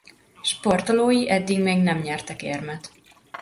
Sportolói eddig még nem nyertek érmet.